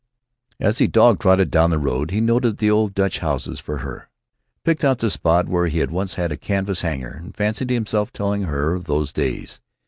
As he dog trotted down the road, he noted the old Dutch houses for her; picked out the spot where he had once had a canvas hangar, and fancied himself telling her of those days.